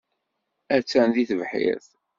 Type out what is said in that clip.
Attan deg tebḥirt.